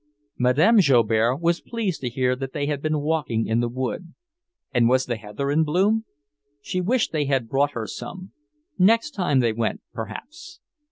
Madame Joubert was pleased to hear that they had been walking in the wood. And was the heather in bloom? She wished they had brought her some. Next time they went, perhaps.